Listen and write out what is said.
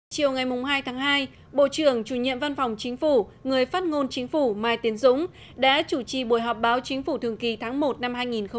chiều ngày hai tháng hai bộ trưởng chủ nhiệm văn phòng chính phủ người phát ngôn chính phủ mai tiến dũng đã chủ trì buổi họp báo chính phủ thường kỳ tháng một năm hai nghìn hai mươi